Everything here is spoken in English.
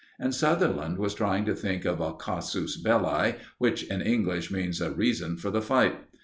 And Sutherland was trying to think of a casus belli which, in English, means a reason for the fight.